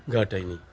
nggak ada ini